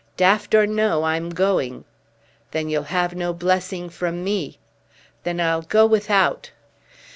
"Daft or no, I'm going." "Then you'll have no blessing from me." "Then I'll go without."